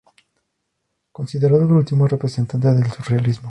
Considerado el último representante del surrealismo.